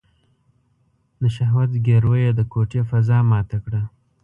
د شهوت ځګيروی يې د کوټې فضا ماته کړه.